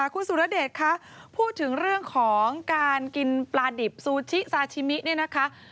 คุณสุรเดชคะพูดถึงเรื่องของการกินปลาดิบซูชิซาชิมิเนี่ยนะคะ